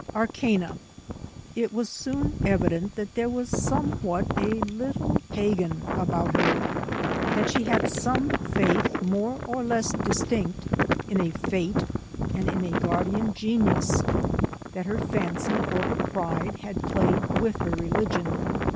ARCANA. It was soon evident that there was somewhat a little pagan about her ; that she had some faith more or less distinct in a fate, and in a guardian ARCANA. 293 genius ; that her fancy, or her pride, had played with her religion.